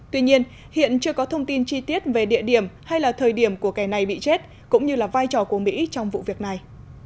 tuy nhiên hiện chưa có thông tin chi tiết về địa điểm hay là thời điểm của kẻ này bị chết cũng như là vai trò của mỹ trong vụ việc này